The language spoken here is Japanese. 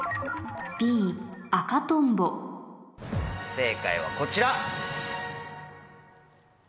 正解はこちら！